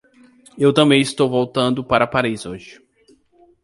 Eu também estou voltando para Paris hoje.